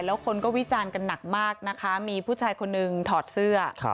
แล้วคนก็วิจารณ์กันหนักมากนะคะมีผู้ชายคนหนึ่งถอดเสื้อ